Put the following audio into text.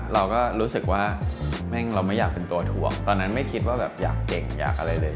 เราก็รู้สึกว่าเราไม่อยากเป็นตัวถ่วงตอนนั้นไม่คิดว่าแบบอยากเก่งอยากอะไรเลย